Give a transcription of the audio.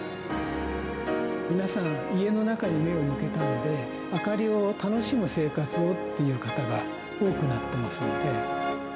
皆さん、家の中に目を向けたので、明かりを楽しむ生活をっていう方が多くなってますので。